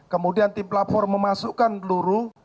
kemudian tim pelapor memasukkan peluru